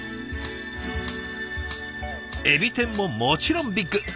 エビ天ももちろんビッグ。